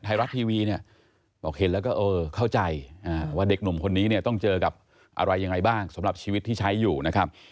ไทยรัฐทีวีเนี่ยบอกเห็นแล้วก็เออเข้าใจว่าเด็กหนุ่มคนนี้เนี่ยต้องเจอกับอะไรยังไงบ้างสำหรับชีวิตที่ใช้อยู่นะครับ